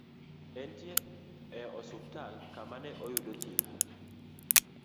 Entie e osiptal ka ma oyudo e thieth